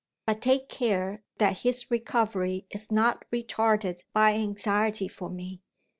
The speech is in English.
But take care that his recovery is not retarded by anxiety for me.